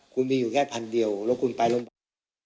คุณมีอยู่แค่พันเดียวแล้วคุณไปลำบาก